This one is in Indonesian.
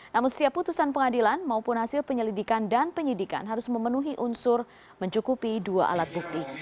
namun setiap putusan pengadilan maupun hasil penyelidikan dan penyidikan harus memenuhi unsur mencukupi dua alat bukti